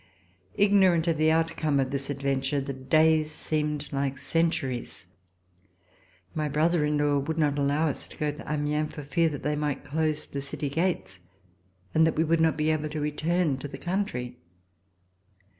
Ignorant of the outcome of this adventure, the days seemed like centuries. My brother in law would not allow us to go to Amiens for fear that they might close the city gates and that we would not be able to return to the country.